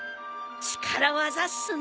力業っすね。